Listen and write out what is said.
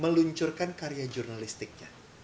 meluncurkan karya jurnalistiknya